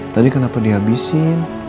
tadi kenapa dihabisin